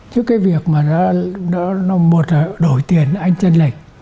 chứ cái việc mà nó một là đổi tiền anh chân lệch